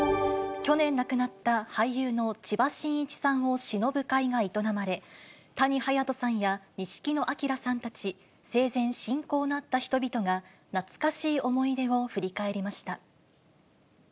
去年亡くなった俳優の千葉真一さんをしのぶ会が営まれ、谷隼人さんや、錦野旦さんたち生前親交のあった人々が、懐かしい思い出を振り返りました。